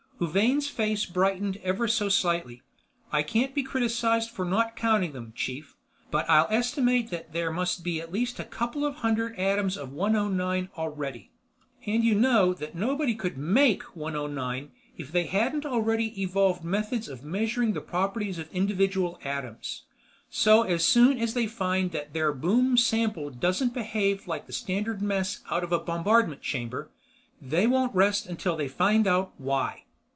Huvane's face brightened ever so slightly. "I can't be criticized for not counting them, chief. But I'll estimate that there must be at least a couple of hundred atoms of 109 already. And you know that nobody could make 109 if they hadn't already evolved methods of measuring the properties of individual atoms. So as soon as they find that their boom sample doesn't behave like the standard mess out of a bombardment chamber, they won't rest until they find out why.